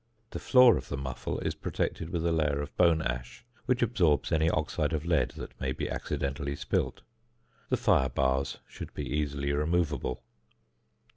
The floor of the muffle is protected with a layer of bone ash, which absorbs any oxide of lead that may be accidentally spilt. The fire bars should be easily removable.